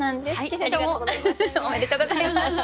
おめでとうございます。